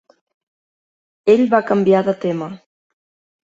Ell va canviar de tema.